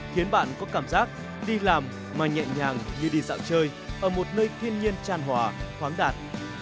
khiến bạn có cảm giác đi làm mà nhẹ nhàng như đi dạo chơi ở một nơi thiên nhiên tràn hòa khoáng đạt